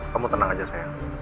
kamu tenang aja sayang